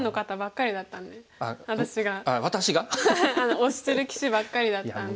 推してる棋士ばっかりだったんで。